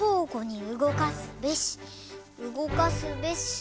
うごかすべし。